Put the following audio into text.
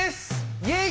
イエイ！